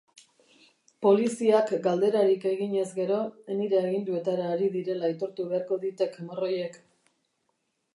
Poliziak galderarik eginez gero, nire aginduetara ari direla aitortu beharko ditek morroiek.